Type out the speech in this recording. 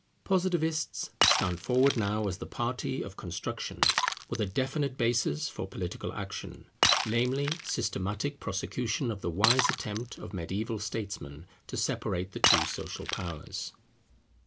Positivists stand forward now as the party of construction, with a definite basis for political action; namely, systematic prosecution of the wise attempt of mediaeval statesmen to separate the two social powers.